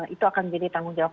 itu akan menjadi tanggung jawab